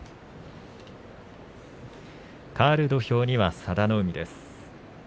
かわる土俵には佐田の海です。